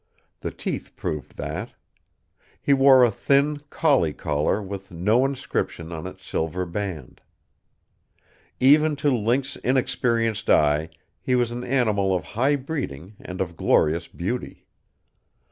The teeth proved that. He wore a thin collie collar with no inscription on its silver band. Even to Link's inexperienced eye he was an animal of high breeding and of glorious beauty.